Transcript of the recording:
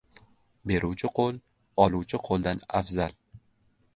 • Beruvchi qo‘l oluvchi qo‘ldan afzal.